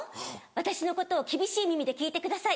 「私のことを厳しい耳で聞いてください。